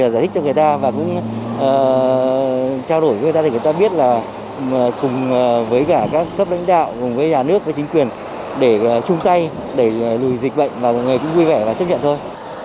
giải thích cho người ta và cũng trao đổi với người ta thì người ta biết là cùng với cả các cấp lãnh đạo cùng với nhà nước với chính quyền để chung tay đẩy lùi dịch bệnh và mọi người cũng vui vẻ và chấp nhận thôi